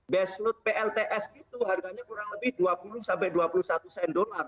base load plts itu harganya kurang lebih dua puluh sampai dua puluh satu sen dolar